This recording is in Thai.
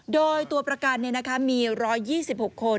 โดยตัวประกันมี๑๒๖คน